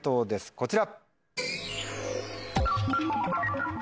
こちら。